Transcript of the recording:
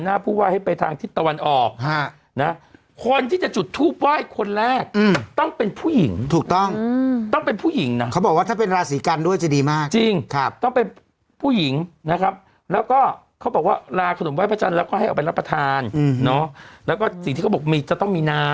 ล่าไปแหละครับแต่ต้องมีน้ำสะอาดอะไว้หนึ่งครั้นครับแล้วก็